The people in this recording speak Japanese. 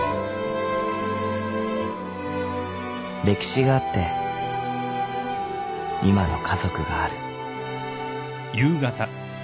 ［歴史があって今の家族がある］